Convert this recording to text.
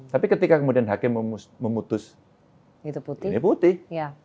tapi ketika kemudian hakim memutus ini putih